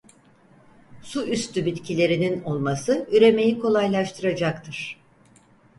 Su üstü bitkilerinin olması üremeyi kolaylaştıracaktır.